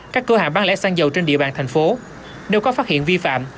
các cửa hàng bán lẻ xăng dầu trên địa bàn tp hcm nếu có phát hiện vi phạm